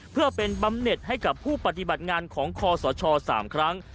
เพื่อเป็นบำเน็ตให้กับผู้ปฏิบัติงานของคอสช๓ครั้ง